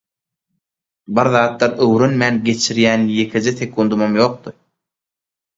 Birzatlar öwrenmän geçirýän ýekeje sekundymam ýokdy.